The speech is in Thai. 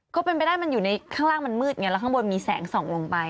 ก็เป็นไปได้มันอยู่ในข้างล่างมันมืดไงแล้วข้างบนมีแสงส่องลงไป